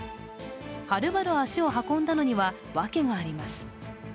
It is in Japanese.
はるばる足を運んだのにはワケがあります。